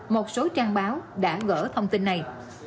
một số trang báo đã gỡ thông tin này